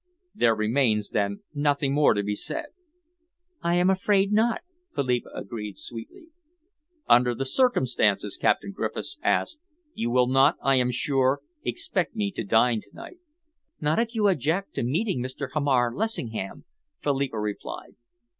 "There remains, then, nothing more to be said." "I am afraid not," Philippa agreed sweetly. "Under the circumstances," Captain Griffiths asked, "you will not, I am sure, expect me to dine to night." "Not if you object to meeting Mr. Hamar Lessingham," Philippa replied.